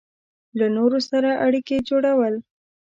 له نورو سره اړیکې جوړول